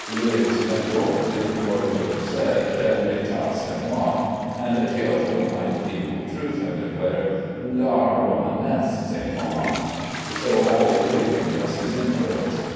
Louis Quatorze is reported to have said: "L'etat c'est moi"; and Giotto might with equal truth have declared: "L'art Romanesque c'est moi," so all pervading was his influence.